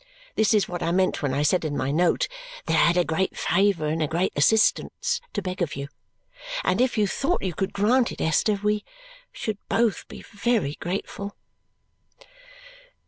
This is what I meant when I said in my note that I had a great favour and a great assistance to beg of you. And if you thought you could grant it, Esther, we should both be very grateful."